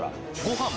ご飯！？